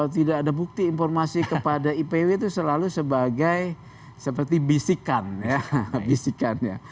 tidak ada bukti informasi kepada ipw itu selalu sebagai seperti bisikan ya bisikannya